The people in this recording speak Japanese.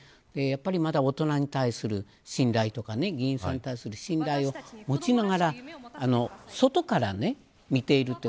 まだ大人に対する信頼とか議員さんに対する信頼を持ちながら外から見ていると。